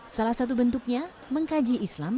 salah satu bentuknya mengkaji islam